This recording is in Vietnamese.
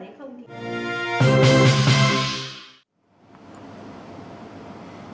và nếu không thì